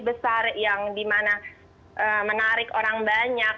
terus manifestasi besar yang dimana menarik orang banyak